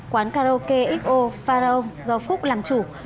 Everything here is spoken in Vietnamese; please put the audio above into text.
quán karaoke xo pharao do phúc làm chủ